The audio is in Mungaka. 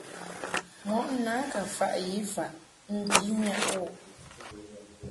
Mɔʼ na ka faʼ yi faʼ mbi nyaʼ wu ;g.